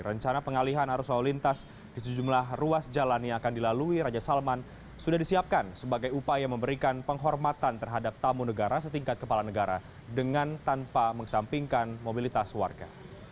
rencana pengalihan arus lalu lintas di sejumlah ruas jalan yang akan dilalui raja salman sudah disiapkan sebagai upaya memberikan penghormatan terhadap tamu negara setingkat kepala negara dengan tanpa mengesampingkan mobilitas warga